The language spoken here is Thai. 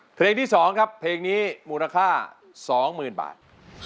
เพลงที่๒ครับเพลงนี้มูลค่า๒๐๐๐บาท